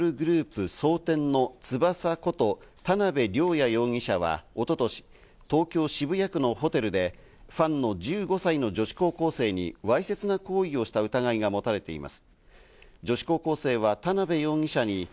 警視庁によりますとメンズ地下アイドルグループ・蒼天の翼こと田辺稜弥容疑者は一昨年、東京・渋谷区のホテルでファンの１５歳の女子高校生にわいせつな行為をした疑いが持たれています。